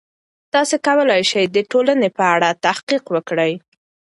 تاسې کولای سئ د ټولنې په اړه تحقیق وکړئ.